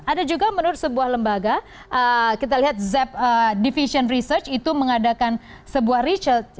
ada juga menurut sebuah lembaga kita lihat zeb division research itu mengadakan sebuah research